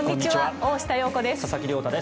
大下容子です。